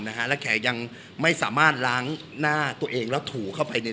นะฮะและแขกยังไม่สามารถล้างหน้าตัวเองแล้วถูเข้าไปใน